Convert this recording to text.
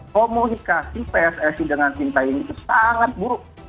komunikasi pssi dengan cintayong ini sangat buruk